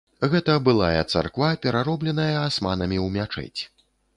Гэта былая царква, пераробленая асманамі ў мячэць.